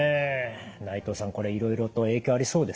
内藤さんこれいろいろと影響ありそうですね。